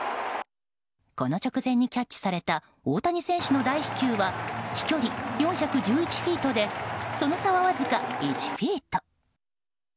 この直前にキャッチされた大谷選手の大飛球は飛距離４１１フィートでその差は、わずか１フィート。